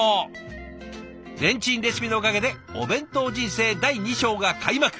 レンチンレシピのおかげでお弁当人生第２章が開幕！